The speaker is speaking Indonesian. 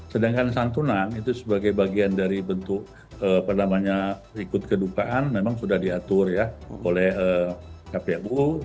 sedangkan santunan itu sebagai bagian dari bentuk ikut kedukaan memang sudah diatur ya oleh kpu